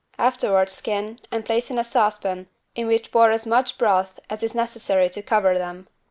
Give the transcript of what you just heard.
Afterward skin and place in a saucepan in which pour as much broth as is necessary to cover them.